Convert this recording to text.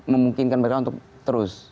memungkinkan mereka untuk terus